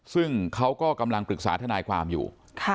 ซึ่งเขาก็กำลังปรึกษาทนายความอยู่